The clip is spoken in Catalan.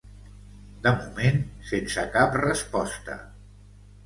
De moment, sense cap resposta.